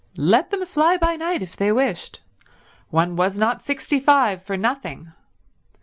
Let them fly by night if they wished. One was not sixty five for nothing.